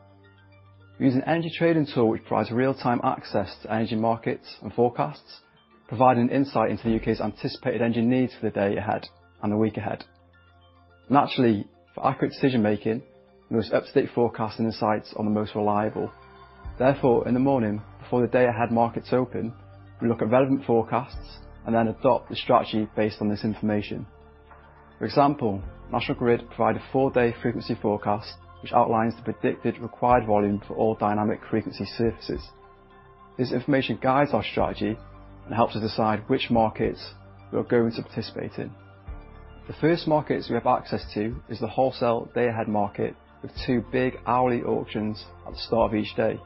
We use an energy trading tool which provides real-time access to energy markets and forecasts, providing insight into the UK's anticipated energy needs for the day ahead and the week ahead. Naturally, for accurate decision-making, the most up-to-date forecast and insights are the most reliable. Therefore, in the morning, before the day-ahead markets open, we look at relevant forecasts and then adopt the strategy based on this information. For example, National Grid provide a four-day frequency forecast, which outlines the predicted required volume for all dynamic frequency services. This information guides our strategy and helps us decide which markets we are going to participate in. The first markets we have access to is the wholesale day-ahead market with 2 big hourly auctions at the start of each day.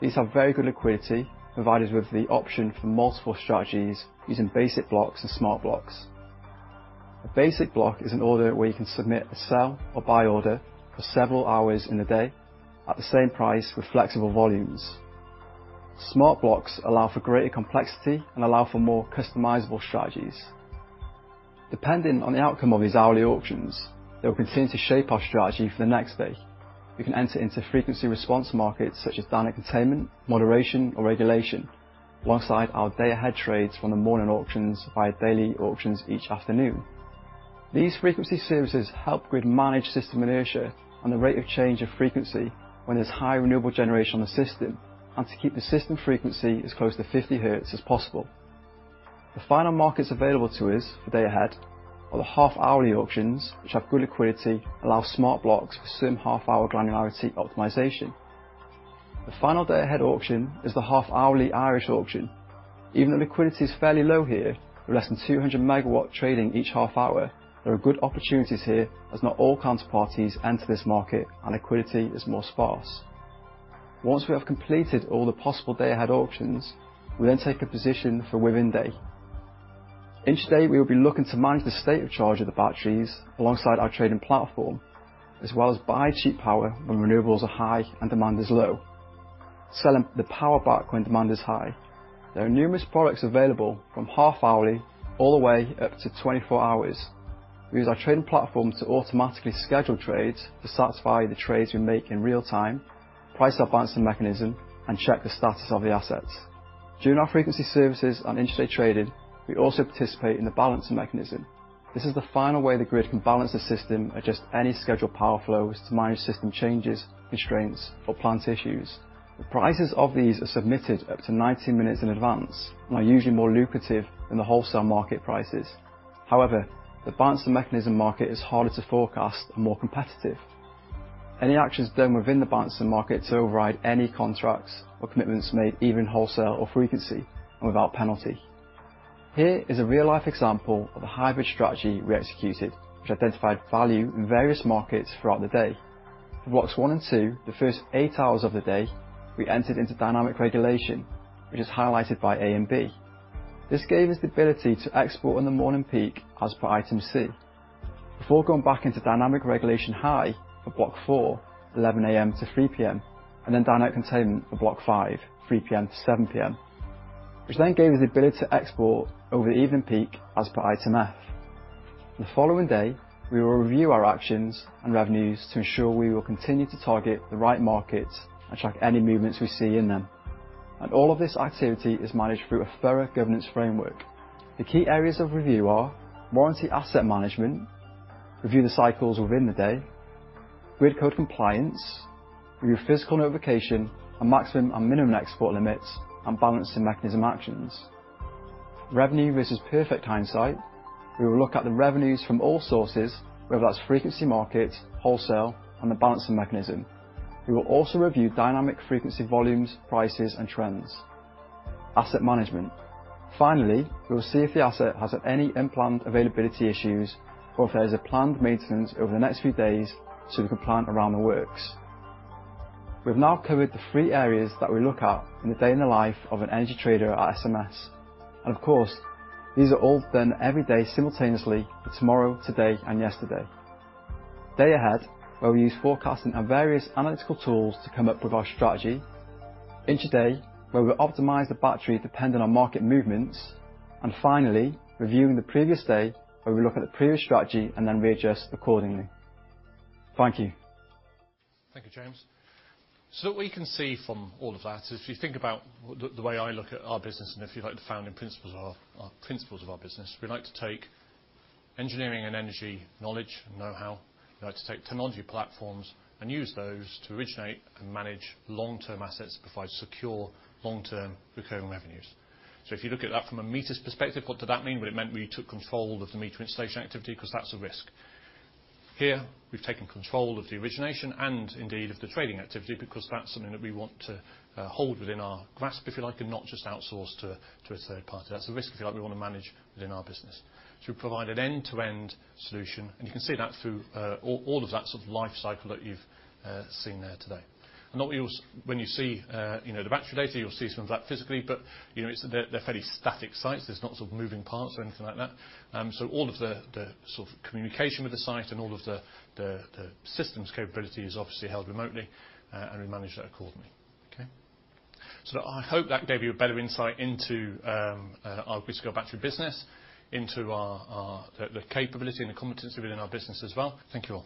These have very good liquidity, provided with the option for multiple strategies using basic blocks and smart blocks. A basic block is an order where you can submit a sell or buy order for several hours in the day at the same price with flexible volumes. Smart blocks allow for greater complexity and allow for more customizable strategies. Depending on the outcome of these hourly auctions, they will continue to shape our strategy for the next day. We can enter into frequency response markets such as Dynamic Containment, Dynamic Moderation, or Dynamic Regulation. Alongside our day-ahead trades from the morning auctions via daily auctions each afternoon. These frequency services help grid manage system inertia and the rate of change of frequency when there's high renewable generation on the system, and to keep the system frequency as close to 50 hertz as possible. The final markets available to us for day-ahead are the half-hourly auctions, which have good liquidity, allow smart blocks for certain half-hour granularity optimization. The final day-ahead auction is the half-hourly Irish auction. Even the liquidity is fairly low here, with less than 200 megawatts trading each half-hour, there are good opportunities here as not all counterparties enter this market and liquidity is more sparse. Once we have completed all the possible day-ahead auctions, we then take a position for within-day. Each day, we will be looking to manage the state of charge of the batteries alongside our trading platform, as well as buy cheap power when renewables are high and demand is low, selling the power back when demand is high. There are numerous products available from half-hourly all the way up to 24 hours. We use our trading platform to automatically schedule trades to satisfy the trades we make in real-time, price our balancing mechanism, and check the status of the assets. During our frequency services and intraday trading, we also participate in the balancing mechanism. This is the final way the grid can balance the system, adjust any scheduled power flows to manage system changes, constraints, or plant issues. The prices of these are submitted up to 90 minutes in advance and are usually more lucrative than the wholesale market prices. However, the Balancing Mechanism market is harder to forecast and more competitive. Any actions done within the balancing market to override any contracts or commitments made, even wholesale or frequency, are without penalty. Here is a real-life example of a hybrid strategy we executed, which identified value in various markets throughout the day. For blocks 1 and 2, the first 8 hours of the day, we entered into Dynamic Regulation, which is highlighted by A and B. This gave us the ability to export in the morning peak as per item C. Before going back into Dynamic Regulation high for block 4, 11 A.M. to 3 P.M., and then Dynamic Containment for block 5, 3 P.M. to 7 P.M. Which then gave us the ability to export over the evening peak as per item F. The following day, we will review our actions and revenues to ensure we will continue to target the right markets and track any movements we see in them. All of this activity is managed through a thorough governance framework. The key areas of review are warranty asset management, review the cycles within the day, grid code compliance, review Physical Notification and maximum and minimum export limits and balancing mechanism actions. Revenue versus perfect hindsight. We will look at the revenues from all sources, whether that's frequency markets, wholesale, and the balancing mechanism. We will also review dynamic frequency volumes, prices, and trends. Asset management. Finally, we'll see if the asset has any unplanned availability issues or if there's a planned maintenance over the next few days, so we can plan around the works. We've now covered the three areas that we look at in the day in the life of an energy trader at SMS. Of course, these are all done every day simultaneously for tomorrow, today, and yesterday. Day ahead, where we use forecasting and various analytical tools to come up with our strategy. Intraday, where we optimize the battery depending on market movements. Finally, reviewing the previous day, where we look at the previous strategy and then readjust accordingly. Thank you. Thank you, James. What we can see from all of that is if you think about the way I look at our business, and if you like, the founding principles of our business, we like to take engineering and energy knowledge and know-how. We like to take technology platforms and use those to originate and manage long-term assets to provide secure, long-term recurring revenues. If you look at that from a meters perspective, what did that mean? Well, it meant we took control of the metering station activity because that's a risk. Here, we've taken control of the origination and indeed of the trading activity because that's something that we want to hold within our grasp, if you like, and not just outsource to a third party. That's a risk, if you like, we wanna manage within our business. We provide an end-to-end solution, and you can see that through all of that sort of life cycle that you've seen there today. When you see, you know, the battery data, you'll see some of that physically, but, you know, they're fairly static sites. There's not sort of moving parts or anything like that. All of the sort of communication with the site and all of the systems capability is obviously held remotely, and we manage that accordingly. I hope that gave you a better insight into our grid-scale battery business, into our the capability and the competency within our business as well. Thank you, all.